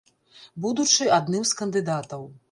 Будучы адным з кандыдатаў.